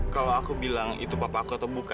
kalau aku bilang itu papa aku aku takutnya juga nekat